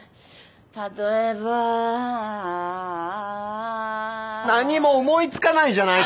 例えば。何も思い付かないじゃないか！